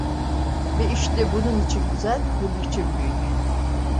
Ve işte bunun için güzel, bunun için büyük…